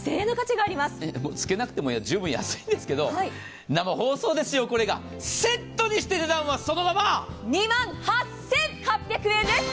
つけなくても十分安いんですけど、生放送ですよ、これがセットにして値段はそのまま２万８８００円です。